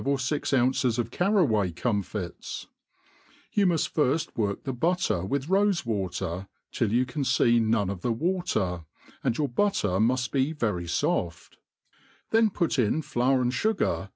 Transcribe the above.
or fix ounces of carraway comfits j :ybu muft firft work the butter with rofe water, till you. can fee none of the watery and your butter muft be very foft ; then put in flour and fugzir